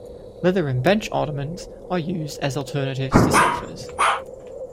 Leather and bench ottomans are used as alternatives to sofas.